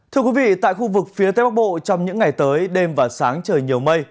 thưa quý vị tại khu vực phía tây bắc bộ trong những ngày tới đêm và sáng trời nhiều mây